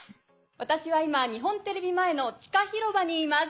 私は今日本テレビ前の地下広場にいます。